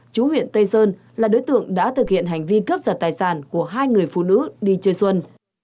chú huyện tây sơn là đối tượng đã thực hiện hành vi cướp giật tài sản của hai người phụ nữ đi chơi xuân